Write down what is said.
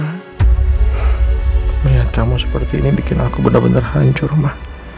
ngeliat kamu seperti ini bikin aku benar benar hancur ma